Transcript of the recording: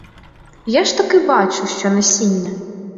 Я ж таки бачу, що насіння.